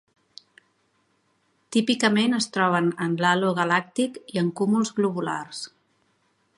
Típicament es troben en l'halo galàctic i en cúmuls globulars.